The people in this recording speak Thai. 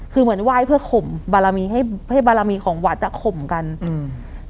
คือเหมือนไหว้เพื่อข่มบารมีให้ให้บารมีของวัดอ่ะข่มกันอืม